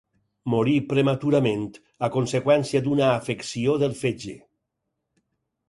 Morí prematurament a conseqüència d'una afecció del fetge.